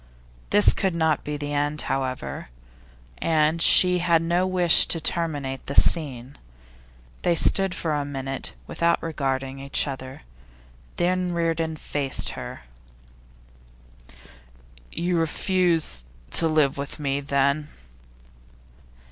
This could not be the end, however, and she had no wish to terminate the scene. They stood for a minute without regarding each other, then Reardon faced to her. 'You refuse to live with me, then?